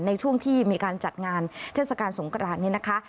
ในช่วงที่มีการจัดงานเทศกาลสงกรานนี้นะคะ